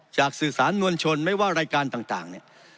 จากสื่อสารนวลชนไม่ว่ารายการต่าง